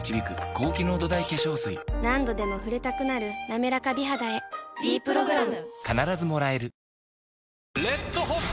何度でも触れたくなる「なめらか美肌」へ「ｄプログラム」